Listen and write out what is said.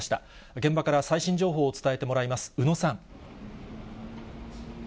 現場から最新情報を伝えてもらいます。